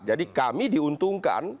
jadi kami diuntungkan